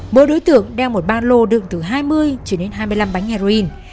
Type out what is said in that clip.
mỗi đối tượng đeo một ba lô đựng từ hai mươi hai mươi năm bánh heroin